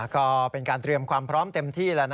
ก็เป็นการเตรียมความพร้อมเต็มที่แล้วนะ